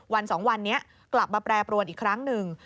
๒วันนี้กลับมาแปรปรวนอีกครั้งหนึ่ง